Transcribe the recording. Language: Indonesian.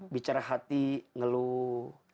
bicara hati ngeluh